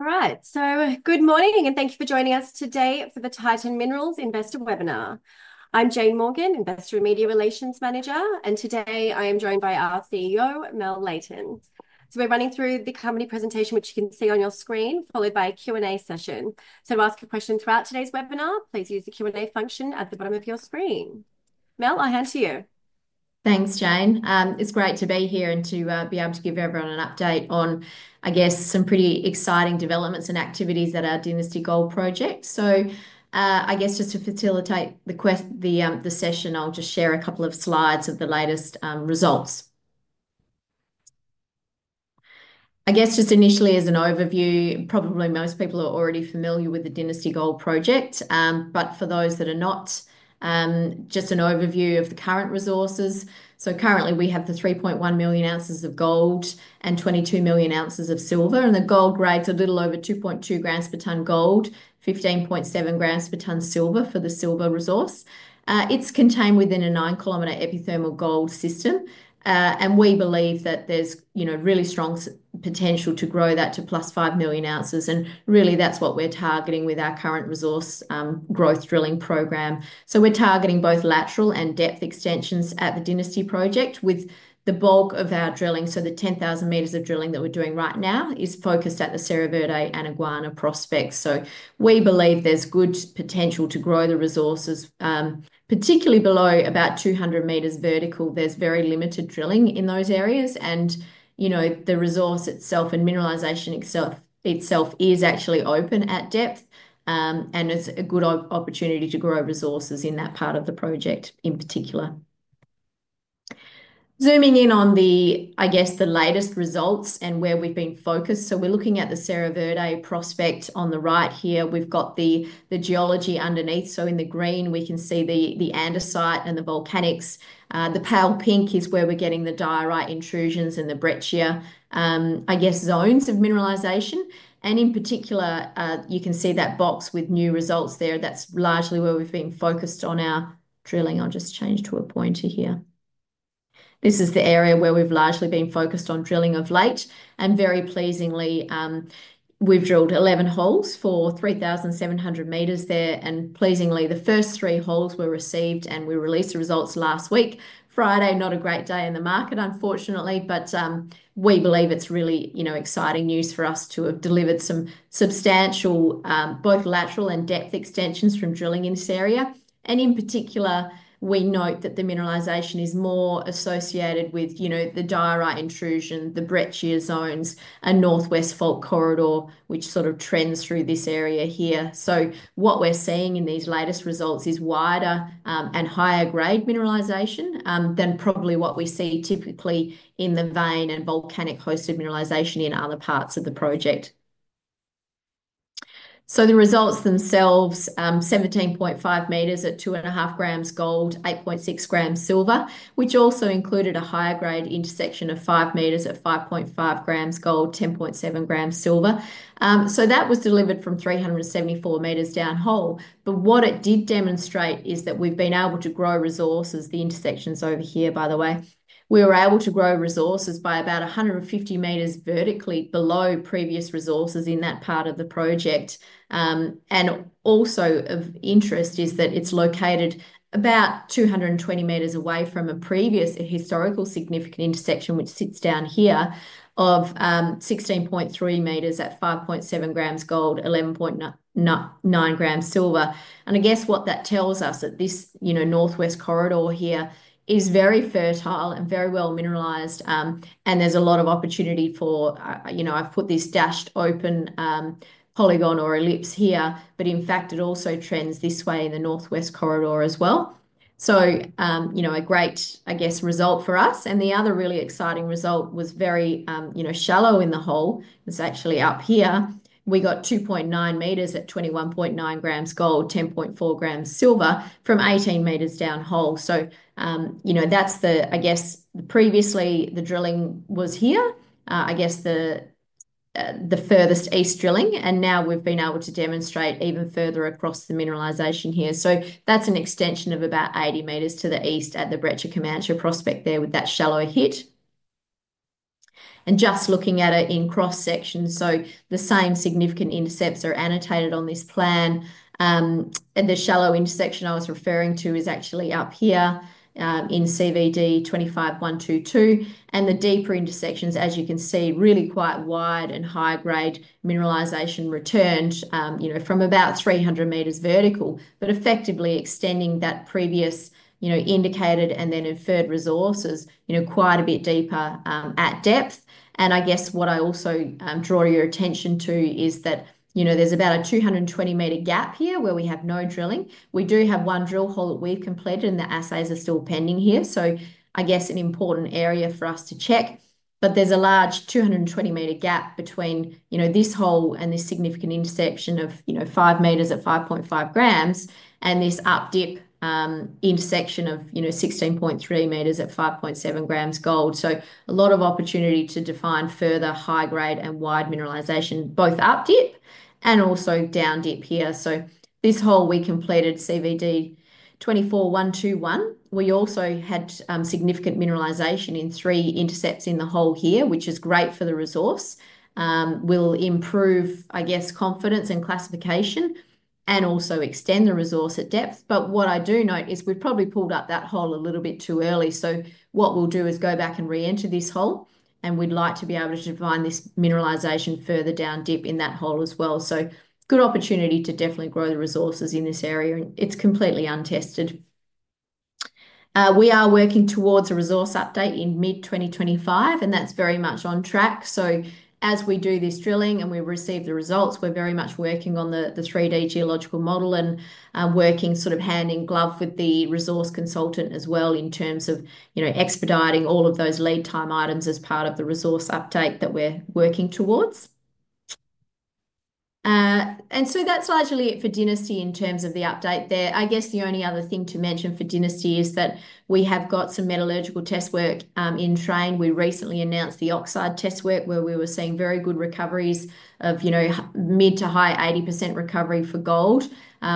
Alright, good morning, and thank you for joining us today for the Titan Minerals Investor Webinar. I'm Jane Morgan, Investor and Media Relations Manager, and today I am joined by our CEO, Mel Leighton. We're running through the company presentation, which you can see on your screen, followed by a Q&A session. To ask a question throughout today's webinar, please use the Q&A function at the bottom of your screen. Mel, I'll hand to you. Thanks, Jane. It's great to be here and to be able to give everyone an update on, I guess, some pretty exciting developments and activities at our Dynasty Gold Project. To facilitate the session, I'll just share a couple of slides of the latest results. Just initially as an overview, probably most people are already familiar with the Dynasty Gold Project, but for those that are not, just an overview of the current resources. Currently we have 3.1 million oz of gold and 22 million oz of silver, and the gold grades are a little over 2.2 g per tonne gold, 15.7 g per tonne silver for the silver resource. It's contained within a 9 km epithermal gold system, and we believe that there's, you know, really strong potential to grow that to plus 5 million oz, and really that's what we're targeting with our current resource growth drilling program. We are targeting both lateral and depth extensions at the Dynasty project with the bulk of our drilling. The 10,000 m of drilling that we're doing right now is focused at the Cerro Verde and Iguana prospects. We believe there's good potential to grow the resources, particularly below about 200 m vertical. There's very limited drilling in those areas, and you know, the resource itself and mineralisation itself is actually open at depth, and it's a good opportunity to grow resources in that part of the project in particular. Zooming in on the, I guess, the latest results and where we've been focused. We're looking at the Cerro Verde prospect on the right here. We've got the geology underneath. In the green, we can see the andesite and the volcanics. The pale pink is where we're getting the diorite intrusions and the breccia, I guess, zones of mineralisation. In particular, you can see that box with new results there. That's largely where we've been focused on our drilling. I'll just change to a pointer here. This is the area where we've largely been focused on drilling of late. Very pleasingly, we've drilled 11 holes for 3,700 m there. Pleasingly, the first three holes were received, and we released the results last week. Friday, not a great day in the market, unfortunately, but we believe it's really, you know, exciting news for us to have delivered some substantial both lateral and depth extensions from drilling in this area. In particular, we note that the mineralisation is more associated with, you know, the diorite intrusion, the breccia zones, and northwest fault corridor, which sort of trends through this area here. What we are seeing in these latest results is wider and higher grade mineralisation than probably what we see typically in the vein and volcanic hosted mineralisation in other parts of the project. The results themselves, 17.5 m at 2.5 g/t gold, 8.6 g/t silver, which also included a higher grade intersection of 5 m at 5.5 g/t gold, 10.7 g/t silver. That was delivered from 374 m down hole. What it did demonstrate is that we have been able to grow resources. The intersections over here, by the way, we were able to grow resources by about 150 m vertically below previous resources in that part of the project. Also of interest is that it's located about 220 m away from a previous historical significant intersection, which sits down here of 16.3 m at 5.7 g gold, 11.9 g silver. I guess what that tells us is that this, you know, northwest corridor here is very fertile and very well mineralized, and there's a lot of opportunity for, you know, I've put this dashed open polygon or ellipse here, but in fact it also trends this way in the northwest corridor as well. You know, a great, I guess, result for us. The other really exciting result was very, you know, shallow in the hole. It's actually up here. We got 2.9 m at 21.9 g gold, 10.4 g silver from 18 m down hole. You know, that's the, I guess, previously the drilling was here, I guess the furthest East drilling, and now we've been able to demonstrate even further across the mineralisation here. That's an extension of about 80 m to the East at the Brecha Comanche prospect there with that shallow hit. Just looking at it in cross sections, the same significant intercepts are annotated on this plan. The shallow intersection I was referring to is actually up here in CVD 25122. The deeper intersections, as you can see, really quite wide and high grade mineralisation returned, you know, from about 300 m vertical, but effectively extending that previous, you know, indicated and then inferred resources, you know, quite a bit deeper at depth. I guess what I also draw your attention to is that, you know, there's about a 220 m gap here where we have no drilling. We do have one drill hole that we've completed, and the assays are still pending here. I guess an important area for us to check. There is a large 220 m gap between, you know, this hole and this significant intersection of, you know, 5 m at 5.5 g and this up dip intersection of, you know, 16.3 m at 5.7 g gold. A lot of opportunity to define further high grade and wide mineralisation, both up dip and also down dip here. This hole we completed CVD 24121. We also had significant mineralisation in three intercepts in the hole here, which is great for the resource. Will improve, I guess, confidence and classification and also extend the resource at depth. What I do note is we've probably pulled up that hole a little bit too early. What we'll do is go back and re-enter this hole, and we'd like to be able to define this mineralisation further down dip in that hole as well. Good opportunity to definitely grow the resources in this area. It's completely untested. We are working towards a resource update in mid 2025, and that's very much on track. As we do this drilling and we receive the results, we're very much working on the 3D geological model and working sort of hand in glove with the resource consultant as well in terms of, you know, expediting all of those lead time items as part of the resource update that we're working towards. That's largely it for Dynasty in terms of the update there. I guess the only other thing to mention for Dynasty is that we have got some metallurgical test work in train. We recently announced the oxide test work where we were seeing very good recoveries of, you know, mid to high 80% recovery for gold,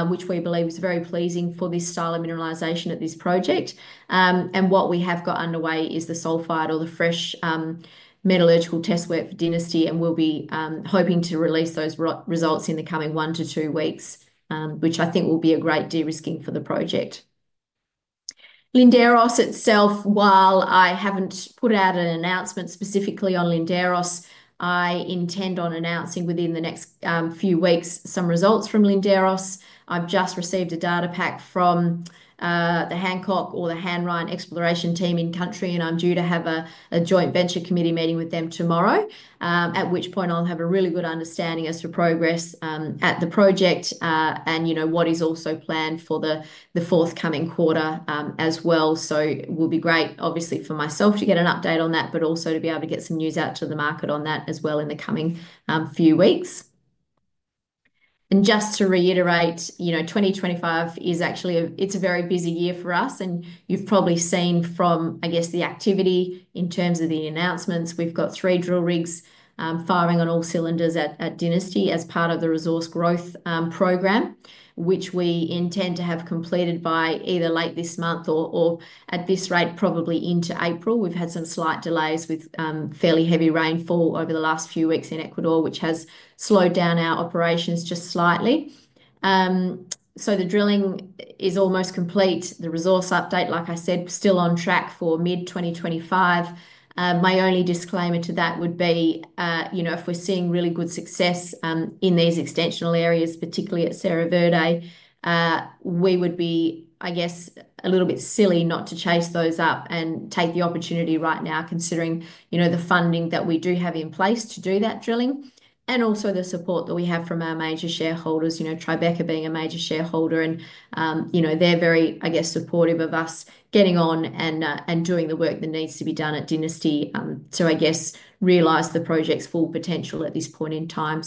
which we believe is very pleasing for this style of mineralisation at this project. What we have got underway is the sulfide or the fresh metallurgical test work for Dynasty, and we'll be hoping to release those results in the coming one to two weeks, which I think will be a great de-risking for the project. Linderos itself, while I haven't put out an announcement specifically on Linderos, I intend on announcing within the next few weeks some results from Linderos. I've just received a data pack from the Hancock or the Hanrine Resources exploration team in country, and I'm due to have a joint venture committee meeting with them tomorrow, at which point I'll have a really good understanding as to progress at the project and, you know, what is also planned for the forthcoming quarter as well. It will be great, obviously, for myself to get an update on that, but also to be able to get some news out to the market on that as well in the coming few weeks. Just to reiterate, you know, 2025 is actually, it's a very busy year for us, and you've probably seen from, I guess, the activity in terms of the announcements. We've got three drill rigs firing on all cylinders at Dynasty as part of the resource growth program, which we intend to have completed by either late this month or at this rate, probably into April. We've had some slight delays with fairly heavy rainfall over the last few weeks in Ecuador, which has slowed down our operations just slightly. The drilling is almost complete. The resource update, like I said, still on track for mid 2025. My only disclaimer to that would be, you know, if we're seeing really good success in these extensional areas, particularly at Cerro Verde, we would be, I guess, a little bit silly not to chase those up and take the opportunity right now, considering, you know, the funding that we do have in place to do that drilling and also the support that we have from our major shareholders, you know, Tribeca being a major shareholder. You know, they're very, I guess, supportive of us getting on and doing the work that needs to be done at Dynasty to, I guess, realise the project's full potential at this point in time.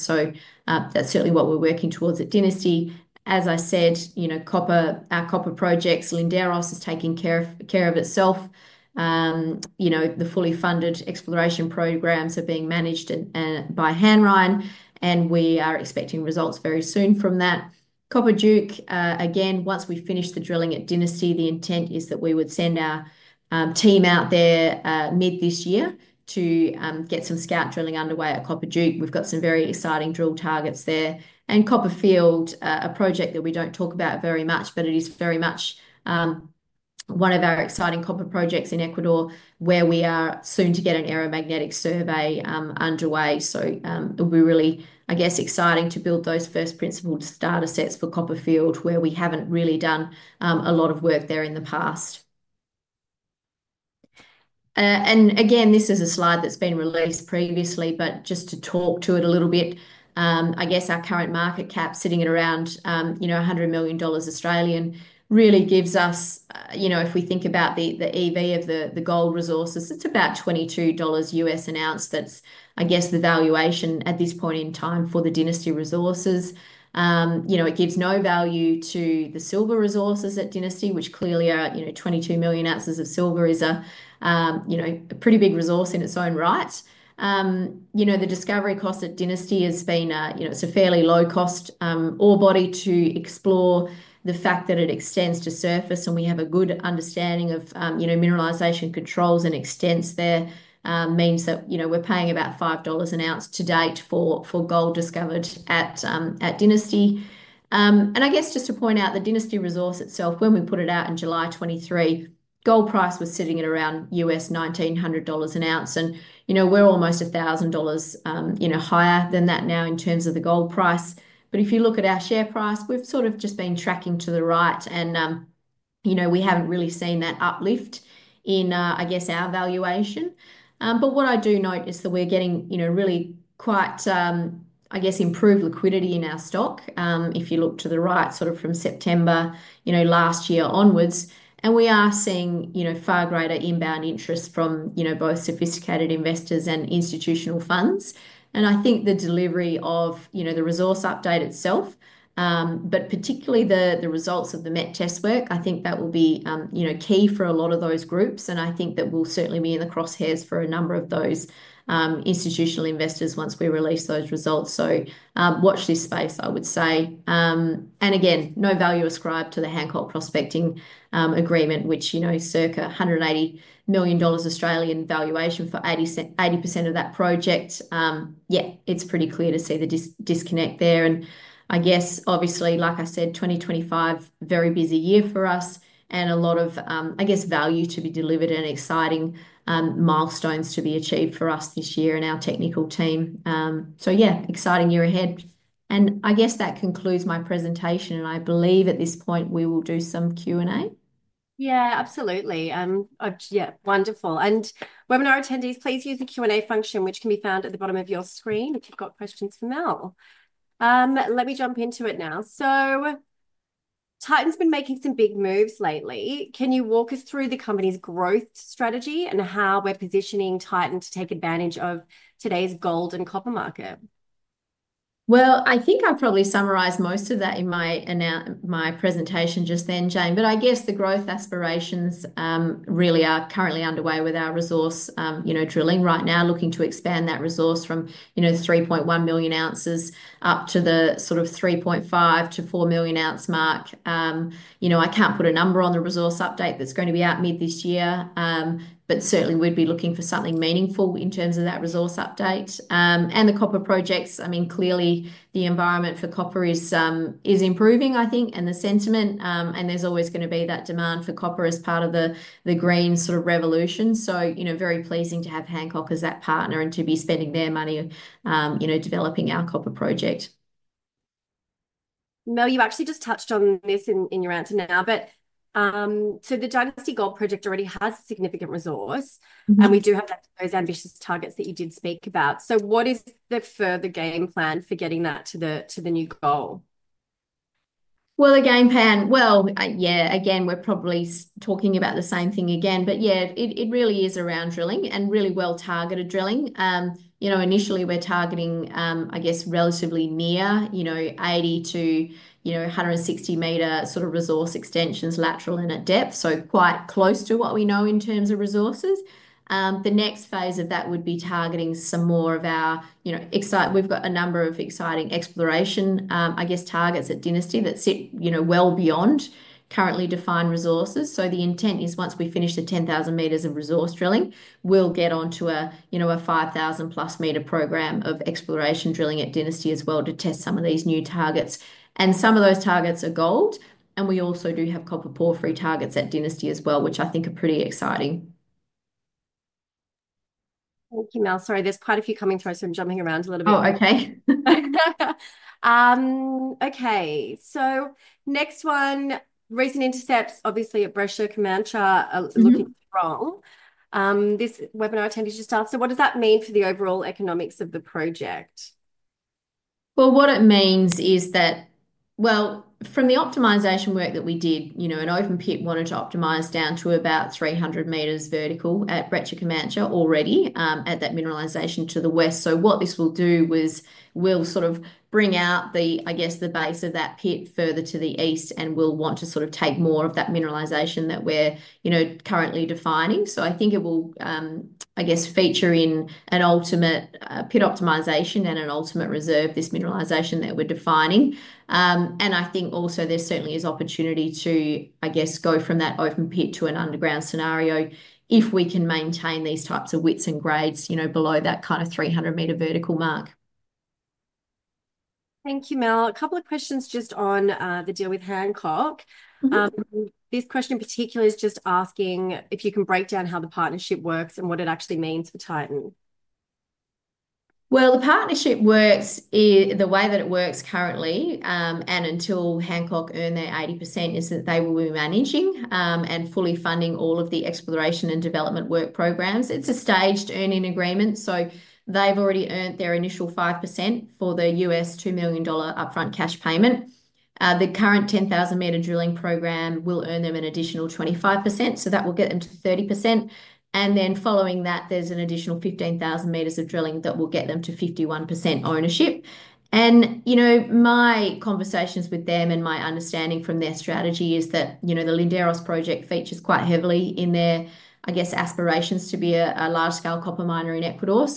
That is certainly what we're working towards at Dynasty. As I said, you know, copper, our copper projects, Linderos is taking care of itself. You know, the fully funded exploration program are being managed by Hanrine, and we are expecting results very soon from that. Copper Duke, again, once we finish the drilling at Dynasty, the intent is that we would send our team out there mid this year to get some scout drilling underway at Copper Duke. We've got some very exciting drill targets there and Copperfield, a project that we don't talk about very much, but it is very much one of our exciting copper projects in Ecuador where we are soon to get an aeromagnetic survey underway. It will be really, I guess, exciting to build those first principal data sets for Copperfield where we haven't really done a lot of work there in the past. This is a slide that's been released previously, but just to talk to it a little bit, I guess our current market cap sitting at around, you know, 100 million Australian dollars really gives us, you know, if we think about the EV of the gold resources, it's about $22 an oz. That's, I guess, the valuation at this point in time for the Dynasty resources. You know, it gives no value to the silver resources at Dynasty, which clearly are, you know, 22 million oz of silver is a, you know, a pretty big resource in its own right. You know, the discovery cost at Dynasty has been, you know, it's a fairly low cost ore body to explore. The fact that it extends to surface and we have a good understanding of, you know, mineralisation controls and extents there means that, you know, we're paying about $5 an oz to date for gold discovered at Dynasty. I guess just to point out the Dynasty resource itself, when we put it out in July 2023, gold price was sitting at around $1,900 an oz. You know, we're almost $1,000, you know, higher than that now in terms of the gold price. If you look at our share price, we've sort of just been tracking to the right and, you know, we haven't really seen that uplift in, I guess, our valuation. What I do note is that we're getting, you know, really quite, I guess, improved liquidity in our stock if you look to the right sort of from September, you know, last year onwards. We are seeing, you know, far greater inbound interest from, you know, both sophisticated investors and institutional funds. I think the delivery of, you know, the resource update itself, but particularly the results of the met test work, I think that will be, you know, key for a lot of those groups. I think that we'll certainly be in the crosshairs for a number of those institutional investors once we release those results. Watch this space, I would say. Again, no value ascribed to the Hancock Prospecting agreement, which, you know, circa 180 million Australian dollars valuation for 80% of that project. Yeah, it's pretty clear to see the disconnect there. I guess, obviously, like I said, 2025, very busy year for us and a lot of, I guess, value to be delivered and exciting milestones to be achieved for us this year and our technical team. Yeah, exciting year ahead. I guess that concludes my presentation. I believe at this point we will do some Q&A. Yeah, absolutely. Yeah, wonderful. Webinar attendees, please use the Q&A function, which can be found at the bottom of your screen if you've got questions for Mel. Let me jump into it now. Titan's been making some big moves lately. Can you walk us through the company's growth strategy and how we're positioning Titan to take advantage of today's gold and copper market? I think I probably summarised most of that in my presentation just then, Jane, but I guess the growth aspirations really are currently underway with our resource, you know, drilling right now, looking to expand that resource from, you know, 3.1 million oz up to the sort of 3.5-4 million oz mark. You know, I can't put a number on the resource update that's going to be out mid this year, but certainly we'd be looking for something meaningful in terms of that resource update. The copper projects, I mean, clearly the environment for copper is improving, I think, and the sentiment, and there's always going to be that demand for copper as part of the green sort of revolution. You know, very pleasing to have Hancock as that partner and to be spending their money, you know, developing our copper project. Mel, you've actually just touched on this in your answer now, but the Dynasty Gold Project already has significant resource and we do have those ambitious targets that you did speak about. What is the further game plan for getting that to the new goal? The game plan, yeah, again, we're probably talking about the same thing again, but yeah, it really is around drilling and really well targeted drilling. You know, initially we're targeting, I guess, relatively near, you know, 80-160 m sort of resource extensions lateral and at depth. Quite close to what we know in terms of resources. The next phase of that would be targeting some more of our, you know, we've got a number of exciting exploration, I guess, targets at Dynasty that sit well beyond currently defined resources. The intent is once we finish the 10,000 m of resource drilling, we'll get onto a, you know, a 5,000+ m program of exploration drilling at Dynasty as well to test some of these new targets. Some of those targets are gold. We also do have copper porphyry targets at Dynasty as well, which I think are pretty exciting. Thank you, Mel. Sorry, there's quite a few coming to us from jumping around a little bit. Oh, okay. Okay, next one, recent intercepts, obviously at Brecha Comanche, looking strong. This webinar attendee just asked, so what does that mean for the overall economics of the project? What it means is that, from the optimization work that we did, you know, an open pit wanted to optimize down to about 300 m vertical at Brecha Comanche already at that mineralization to the west. What this will do is we'll sort of bring out the, I guess, the base of that pit further to the East and we'll want to sort of take more of that mineralisation that we're, you know, currently defining. I think it will, I guess, feature in an ultimate pit optimization and an ultimate reserve, this mineralisation that we're defining. I think also there certainly is opportunity to, I guess, go from that open pit to an underground scenario if we can maintain these types of widths and grades, you know, below that kind of 300 m vertical mark. Thank you, Mel. A couple of questions just on the deal with Hancock. This question in particular is just asking if you can break down how the partnership works and what it actually means for Titan. The partnership works the way that it works currently and until Hancock earn their 80% is that they will be managing and fully funding all of the exploration and development work programmes. It is a staged earning agreement. They have already earned their initial 5% for the $2 million upfront cash payment. The current 10,000 m drilling programme will earn them an additional 25%. That will get them to 30%. Following that, there is an additional 15,000 m of drilling that will get them to 51% ownership. You know, my conversations with them and my understanding from their strategy is that, you know, the Linderos project features quite heavily in their, I guess, aspirations to be a large scale copper miner in Ecuador.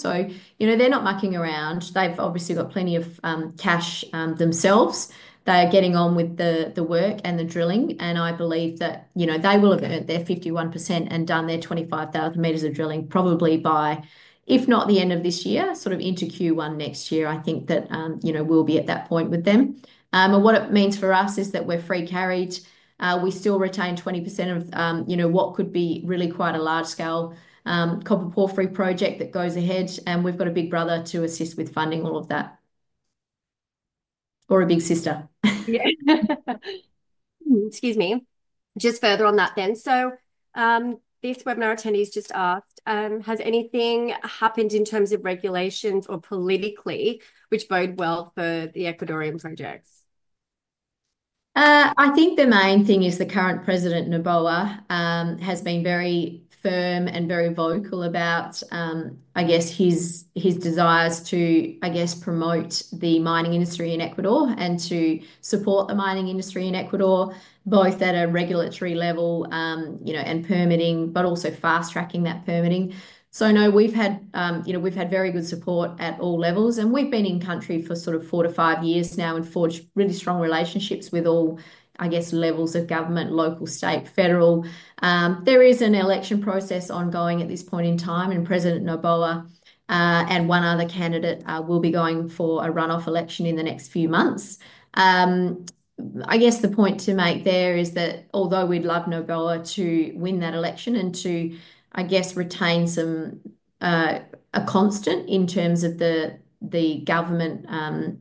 You know, they are not mucking around. They have obviously got plenty of cash themselves. They are getting on with the work and the drilling. I believe that, you know, they will have earned their 51% and done their 25,000 m of drilling probably by, if not the end of this year, sort of into Q1 next year. I think that, you know, we'll be at that point with them. What it means for us is that we're free carried. We still retain 20% of, you know, what could be really quite a large scale copper porphyry project that goes ahead. We've got a big brother to assist with funding all of that. Or a big sister. Yeah. Excuse me. Just further on that then. This webinar attendee just asked, has anything happened in terms of regulations or politically, which bode well for the Ecuadorian projects? I think the main thing is the current president, Noboa, has been very firm and very vocal about, I guess, his desires to, I guess, promote the mining industry in Ecuador and to support the mining industry in Ecuador, both at a regulatory level, you know, and permitting, but also fast tracking that permitting. No, we've had, you know, we've had very good support at all levels. We've been in country for sort of four to five years now and forged really strong relationships with all, I guess, levels of government, local, state, federal. There is an election process ongoing at this point in time. President Noboa and one other candidate will be going for a runoff election in the next few months. I guess the point to make there is that although we'd love Noboa to win that election and to, I guess, retain some, a constant in terms of the government and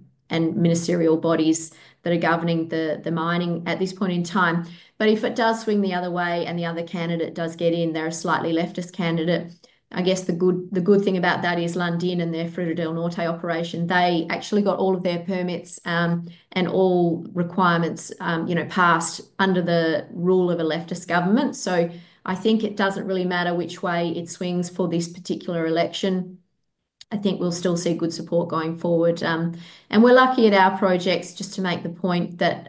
ministerial bodies that are governing the mining at this point in time. If it does swing the other way and the other candidate does get in, they're a slightly leftist candidate. I guess the good thing about that is Lundin and their Fruta del Norte operation. They actually got all of their permits and all requirements, you know, passed under the rule of a leftist government. I think it doesn't really matter which way it swings for this particular election. I think we'll still see good support going forward. We're lucky at our projects just to make the point that,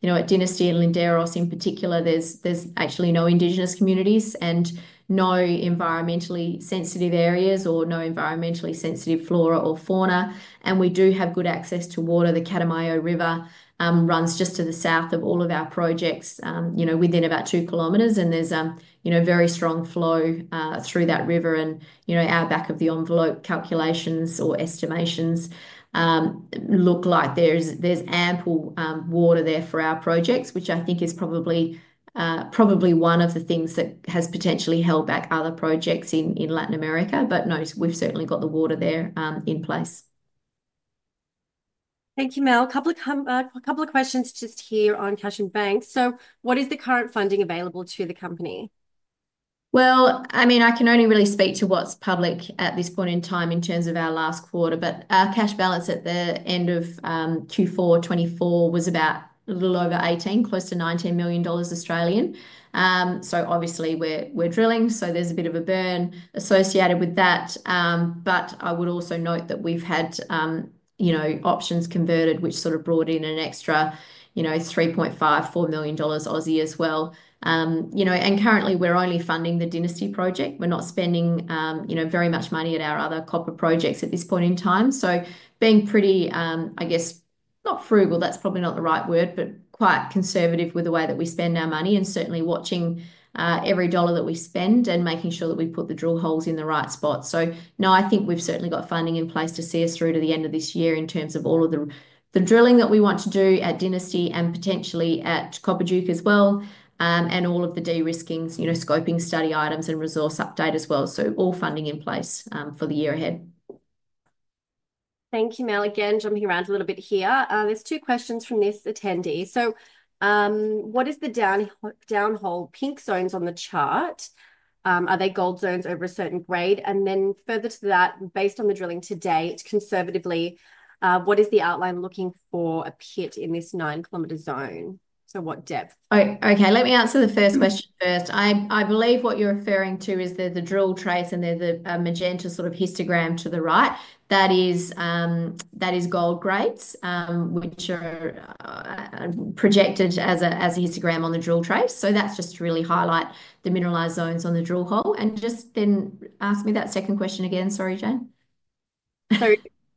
you know, at Dynasty and Linderos in particular, there's actually no indigenous communities and no environmentally sensitive areas or no environmentally sensitive flora or fauna. We do have good access to water. The Catamayo River runs just to the south of all of our projects, you know, within about 2 km. There's, you know, very strong flow through that river. Our back of the envelope calculations or estimations look like there's ample water there for our projects, which I think is probably one of the things that has potentially held back other projects in Latin America. We've certainly got the water there in place. Thank you, Mel. A couple of questions just here on cash and bank. What is the current funding available to the company? I mean, I can only really speak to what's public at this point in time in terms of our last quarter, but our cash balance at the end of Q4 2024 was about a little over 18 million, close to 19 million Australian dollars. Obviously we're drilling, so there's a bit of a burn associated with that. I would also note that we've had, you know, options converted, which sort of brought in an extra, you know, 3.5-4 million dollars as well. You know, and currently we're only funding the Dynasty project. We're not spending, you know, very much money at our other copper projects at this point in time. Being pretty, I guess, not frugal, that's probably not the right word, but quite conservative with the way that we spend our money and certainly watching every dollar that we spend and making sure that we put the drill holes in the right spot. No, I think we've certainly got funding in place to see us through to the end of this year in terms of all of the drilling that we want to do at Dynasty and potentially at Copper Duke as well and all of the de-risking, you know, scoping study items and resource update as well. All funding in place for the year ahead. Thank you, Mel. Again, jumping around a little bit here. There are two questions from this attendee. What is the downhole pink zones on the chart? Are they gold zones over a certain grade? Further to that, based on the drilling to date conservatively, what is the outline looking for a pit in this 9 km zone? What depth? Okay, let me answer the first question first. I believe what you're referring to is the drill trace and there's a magenta sort of histogram to the right. That is gold grades, which are projected as a histogram on the drill trace. That's just to really highlight the mineralised zones on the drill hole. Just then ask me that second question again. Sorry, Jane.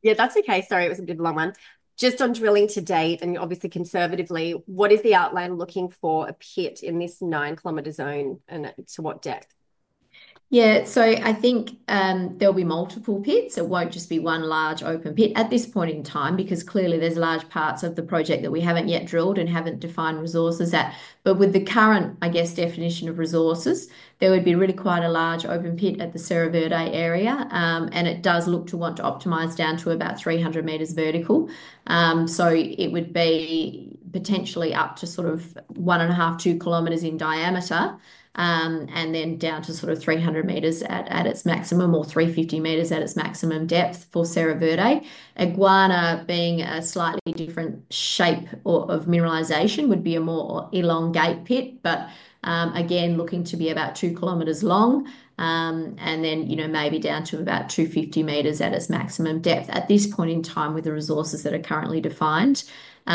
Yeah, that's okay. Sorry, it was a bit of a long one. Just on drilling to date and obviously conservatively, what is the outline looking for a pit in this 9 km zone and to what depth? Yeah, I think there'll be multiple pits. It won't just be one large open pit at this point in time because clearly there are large parts of the project that we haven't yet drilled and haven't defined resources at. With the current, I guess, definition of resources, there would be really quite a large open pit at the Cerro Verde area. It does look to want to optimize down to about 300 m vertical. It would be potentially up to sort of 1.5-2 km in diameter, and then down to sort of 300 m at its maximum or 350 m at its maximum depth for Cerro Verde. Iguana, being a slightly different shape of mineralization, would be a more elongate pit, but again, looking to be about 2 km long. You know, maybe down to about 250 m at its maximum depth at this point in time with the resources that are currently defined. The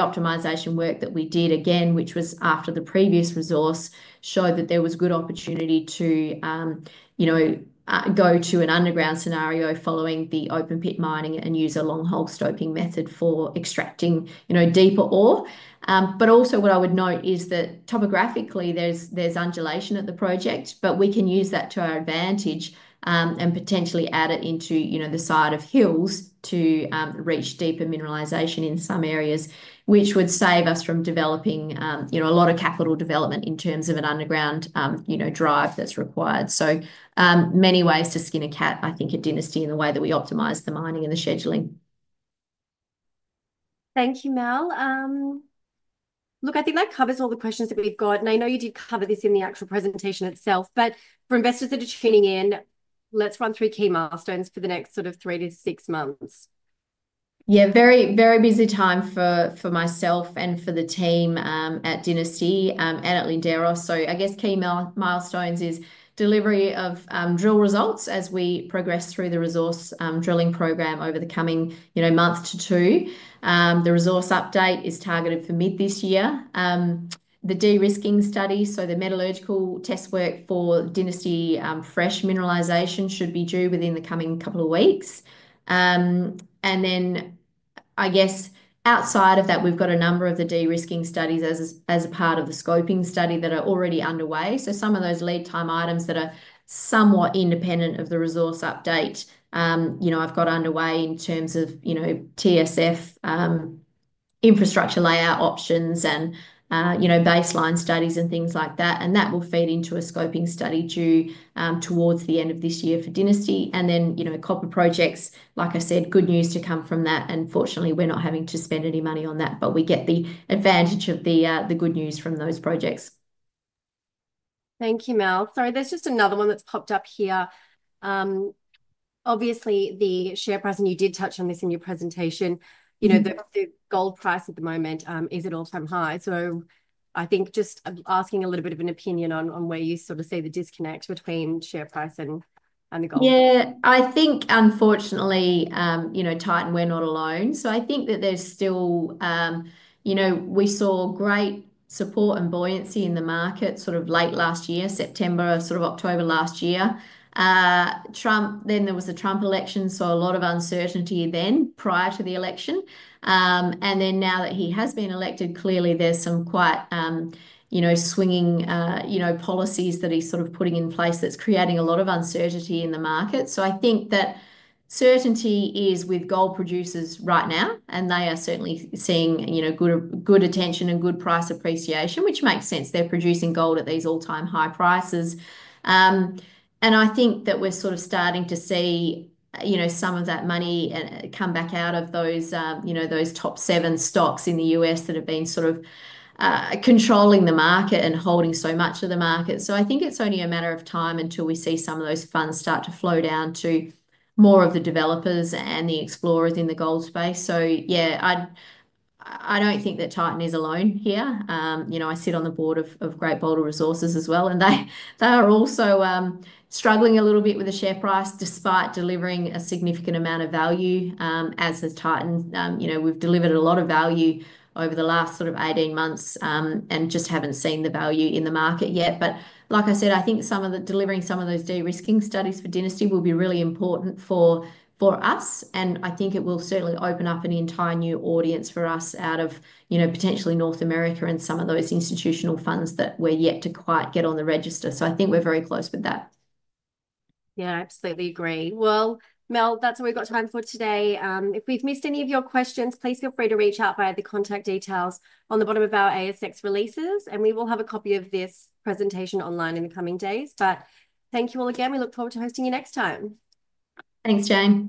optimisation work that we did again, which was after the previous resource, showed that there was good opportunity to, you know, go to an underground scenario following the open pit mining and use a long hole stoping method for extracting, you know, deeper ore. Also, what I would note is that topographically there's undulation at the project, but we can use that to our advantage and potentially add it into, you know, the side of hills to reach deeper mineralisation in some areas, which would save us from developing, you know, a lot of capital development in terms of an underground drive that's required. So many ways to skin a cat, I think, at Dynasty in the way that we optimize the mining and the scheduling. Thank you, Mel. Look, I think that covers all the questions that we've got. I know you did cover this in the actual presentation itself, but for investors that are tuning in, let's run through key milestones for the next sort of three to six months. Yeah, very, very busy time for myself and for the team at Dynasty and at Linderos. I guess key milestones is delivery of drill results as we progress through the resource drilling program over the coming, you know, month to two. The resource update is targeted for mid this year. The de-risking study, so the metallurgical test work for Dynasty fresh mineralization should be due within the coming couple of weeks. I guess outside of that, we've got a number of the de-risking studies as a part of the scoping study that are already underway. Some of those lead time items that are somewhat independent of the resource update, you know, have got underway in terms of, you know, TSF infrastructure layout options and, you know, baseline studies and things like that. That will feed into a scoping study due towards the end of this year for Dynasty. You know, copper projects, like I said, good news to come from that. Fortunately, we're not having to spend any money on that, but we get the advantage of the good news from those projects. Thank you, Mel. Sorry, there's just another one that's popped up here. Obviously, the share price, and you did touch on this in your presentation, you know, the gold price at the moment is at all-time high. I think just asking a little bit of an opinion on where you sort of see the disconnect between share price and the gold. Yeah, I think unfortunately, you know, Titan, we're not alone. I think that there's still, you know, we saw great support and buoyancy in the market sort of late last year, September or sort of October last year. There was the Trump election, so a lot of uncertainty then prior to the election. Now that he has been elected, clearly there's some quite, you know, swinging, you know, policies that he's sort of putting in place that's creating a lot of uncertainty in the market. I think that certainty is with gold producers right now, and they are certainly seeing, you know, good attention and good price appreciation, which makes sense. They're producing gold at these all-time high prices. I think that we're sort of starting to see, you know, some of that money come back out of those, you know, those top seven stocks in the U.S. that have been sort of controlling the market and holding so much of the market. I think it's only a matter of time until we see some of those funds start to flow down to more of the developers and the explorers in the gold space. Yeah, I don't think that Titan is alone here. You know, I sit on the board of Great Boulder Resources as well, and they are also struggling a little bit with the share price despite delivering a significant amount of value. As has Titan, you know, we've delivered a lot of value over the last sort of 18 months and just haven't seen the value in the market yet. Like I said, I think some of the delivering some of those de-risking studies for Dynasty will be really important for us. I think it will certainly open up an entire new audience for us out of, you know, potentially North America and some of those institutional funds that we're yet to quite get on the register. I think we're very close with that. Yeah, I absolutely agree. Mel, that's all we've got time for today. If we've missed any of your questions, please feel free to reach out via the contact details on the bottom of our ASX releases, and we will have a copy of this presentation online in the coming days. Thank you all again. We look forward to hosting you next time. Thanks, Jane.